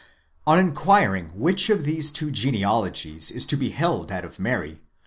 * On inquiring which of these two genealogies is to be held that of Mary?